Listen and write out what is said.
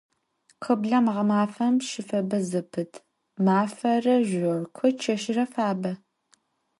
Khıblem ğemafem şıfebe zepıt, mafere zjorkhı, çeşıre fabe.